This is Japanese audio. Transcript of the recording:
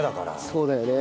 そうだよね。